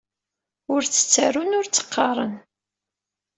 Ur tt-ttarun ur tt-qqaren.